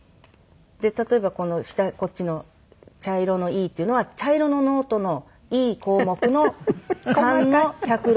で例えばこっちの茶色のＥっていうのは茶色のノートのＥ項目の３の１６４みたいな。